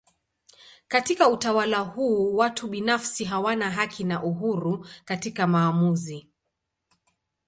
Katika utawala huu watu binafsi hawana haki na uhuru katika maamuzi.